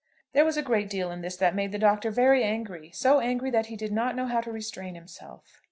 There was a great deal in this that made the Doctor very angry, so angry that he did not know how to restrain himself.